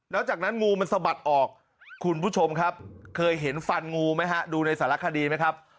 แล้วจากนั้นงูมันสะบัดออกคุณผู้ชมครับเคยเห็นฟันงูไหมฮะดูในสารคดีไหมครับ